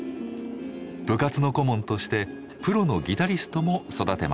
部活の顧問としてプロのギタリストも育てました。